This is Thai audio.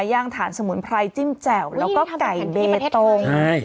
ย่างฐานสมุนไพรจิ้มแจ่วแล้วก็ไก่เบตง